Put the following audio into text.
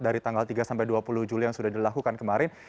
dari tanggal tiga sampai dua puluh juli yang sudah dilakukan kemarin